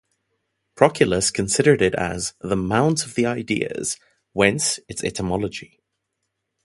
Proclus considered it as the "mount of the Ideas", whence its etymology.